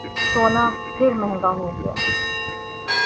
سونا پھر مہنگا ہوگیا